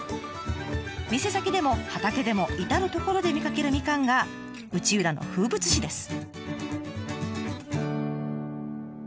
店先でも畑でも至る所で見かけるみかんが内浦の風物詩です。